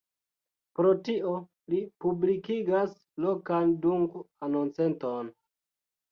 Pro tio, li publikigas lokan dung-anonceton.